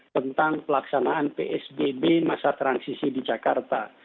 tentang pelaksanaan psbb masa transisi di jakarta